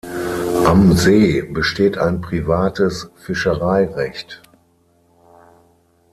Am See besteht ein privates Fischereirecht.